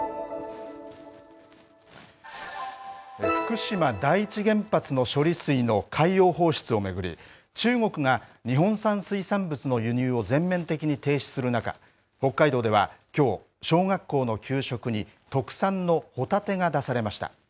福島第一原発の処理水の海洋放出を巡り、中国が、日本産水産物の輸入を全面的に停止する中、北海道ではきょう、小学校の給食に、特産のホタテが出されました。